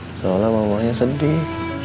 insya allah mamanya sedih